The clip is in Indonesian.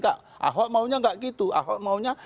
kak ahok maunya tidak begitu ahok maunya